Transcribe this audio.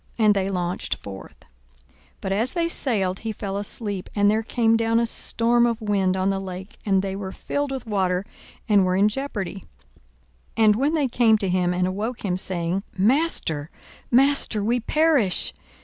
And they launched forth. 42:008:023 But as they sailed he fell asleep: and there came down a storm of wind on the lake; and they were filled with water, and were in jeopardy. 42:008:024 And they came to him, and awoke him, saying, Master, master, we perish.